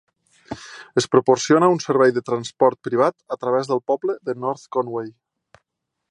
Es proporciona un servei de transport privat a través del poble de North Conway.